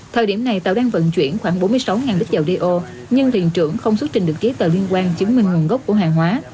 thời điểm này tàu đang vận chuyển khoảng bốn mươi sáu lít dầu đeo nhưng thuyền trưởng không xuất trình được giấy tờ liên quan chứng minh nguồn gốc của hàng hóa